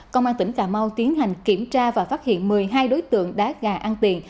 công an tỉnh cà mau tiến hành kiểm tra và phát hiện một mươi hai đối tượng đá gà ăn tiền